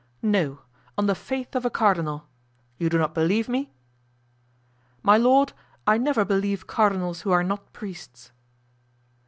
"No—on the faith of a cardinal. You do not believe me?" "My lord, I never believe cardinals who are not priests."